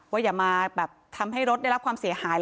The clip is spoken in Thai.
อย่ามาแบบทำให้รถได้รับความเสียหาย